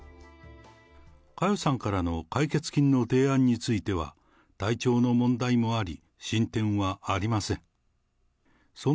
佳代さんからの解決金の提案については、体調の問題もあり、進展はありません。